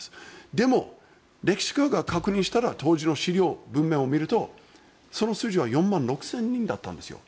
でも、歴史家が確認したら当時の資料、文面を見るとその数字は４万６０００人だったんです。